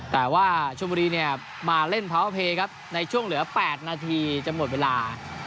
แต่ว่าชมบุรีเนี่ยมาเล่นพาวเพย์ครับในช่วงเหลือ๘นาทีจะหมดเวลา